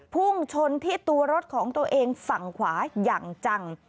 พุ่งชนที่ตัวรถของตัวเองฝั่งขวาอย่างจัง